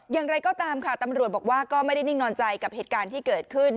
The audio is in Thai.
อย่างไรก็ตามค่ะตำรวจบอกว่าก็ไม่ได้นิ่งนอนใจกับเหตุการณ์ที่เกิดขึ้น